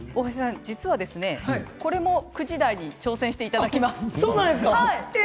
実は、これも９時台に挑戦していただきます。